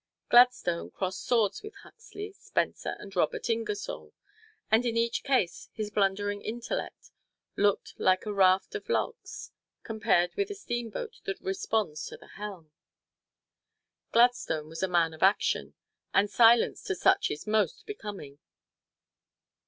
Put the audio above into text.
Gladstone crossed swords with Huxley, Spencer and Robert Ingersoll, and in each case his blundering intellect looked like a raft of logs compared with a steamboat that responds to the helm. Gladstone was a man of action, and silence to such is most becoming.